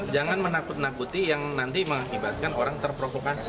jangan menakut nakuti yang nanti mengakibatkan orang terprovokasi